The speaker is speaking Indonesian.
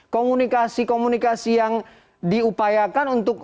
komunikasi komunikasi yang diupayakan untuk